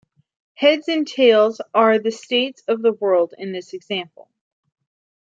"Heads" and "tails" are the states of the world in this example.